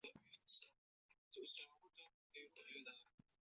镇边城的历史年代为明代。